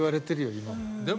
今も。